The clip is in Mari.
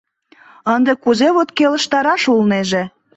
— Ынде кузе вот келыштараш улнеже?»